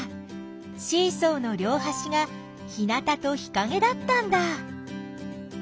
シーソーのりょうはしが日なたと日かげだったんだ。